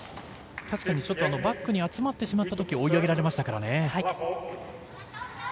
確かにバックに集まってしまった時に追い上げられましたからね。